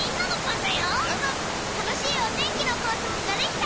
たのしいおてんきのこうさくができたら。